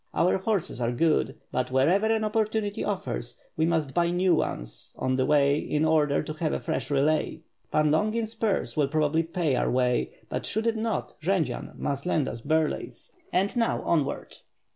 Our horses are good, but wherever an opportunity offers, we must buy new ones on the way in order to have a fresh relay." "Pan Longin's purse will probably pay our way, but should it not, Jendzian must lend us Burlay's, and now onward!"